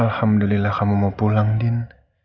alhamdulillah kamu mau pulang din